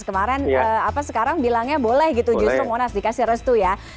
kemarin apa sekarang bilangnya boleh gitu justru monas dikasih restu ya